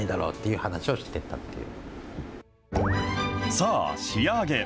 さあ、仕上げ。